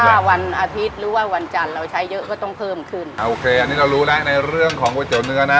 ถ้าวันอาทิตย์หรือว่าวันจันทร์เราใช้เยอะก็ต้องเพิ่มขึ้นโอเคอันนี้เรารู้แล้วในเรื่องของก๋วยเตี๋ยเนื้อนะ